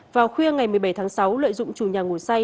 vào khuya ngày một mươi bảy tháng sáu lợi dụng chủ nhà ngủ say